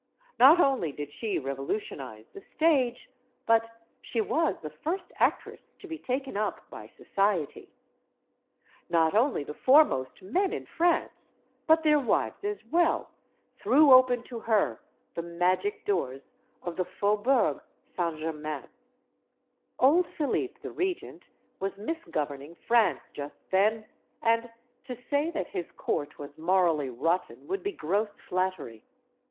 Not only did she revolutionize the stage, but she was the first actress to be taken up by society. Not only the foremost men in France, but their wives as well, threw open to her the magic doors of the Fau bourg Saint Germain. ADR1ENNE LECOUVREUR 123 Old Philippe the Regent was misgoverning France just then; and to say that his court was morally rotten would be gross flattery.